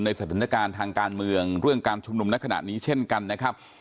สถานการณ์ทางการเมืองเรื่องการชุมนุมในขณะนี้เช่นกันนะครับ